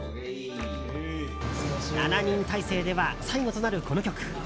７人体制では最後となる、この曲。